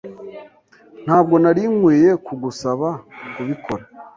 Ntabwo nari nkwiye kugusaba kubikora.